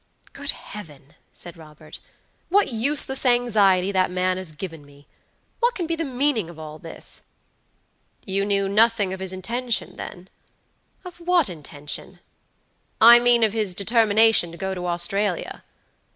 "Good Heaven!" said Robert, "what useless anxiety that man has given me! What can be the meaning of all this?" "You knew nothing of his intention, then?" "Of what intention?" "I mean of his determination to go to Australia."